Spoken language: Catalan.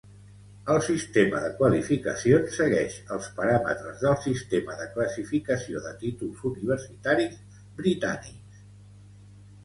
El sistema de qualificacions segueix els paràmetres del sistema de classificació de títols universitaris britànics.